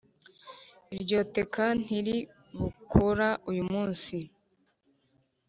iryoteka ntiri bukora uyumusi